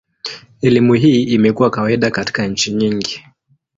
Elimu hii imekuwa kawaida katika nchi nyingi.